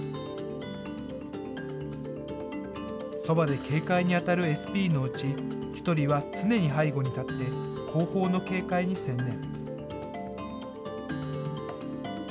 そばで警戒に当たるＳＰのうち１人は常に背後に立って、後方の警戒に専念。